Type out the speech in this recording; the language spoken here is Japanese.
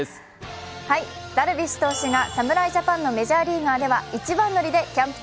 ダルビッシュ投手が侍ジャパンのメジャーリーガーでは一番乗りでキャンプ地